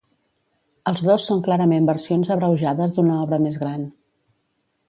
Els dos són clarament versions abreujades d'una obra més gran.